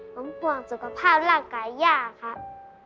ผมห่วงสุขภาพร่างกายย่าครับ